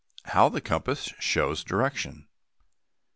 HOW THE COMPASS SHOWS DIRECTION.